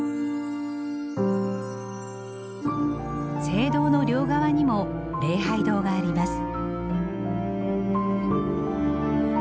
聖堂の両側にも礼拝堂があります。